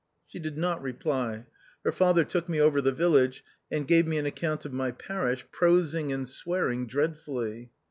She did not reply. Her father took me over the village, and gave me an account of my parish, prosing and swearing dreadfully.